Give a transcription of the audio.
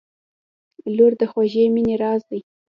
• لور د خوږې مینې راز دی.